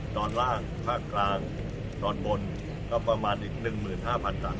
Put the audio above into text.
ตอนล่างภาคกลางตอนบนก็ประมาณอีก๑๕๐๐๐ตัน